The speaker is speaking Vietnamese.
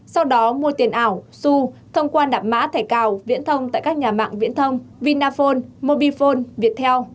sau đó mua tiền ảo su thông qua đạp mã thẻ cào viễn thông tại các nhà mạng viễn thông vinaphone mobifone viettel